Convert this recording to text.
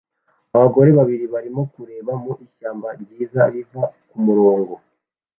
Abagore babiri barimo kureba mu ishyamba ryiza riva kumurongo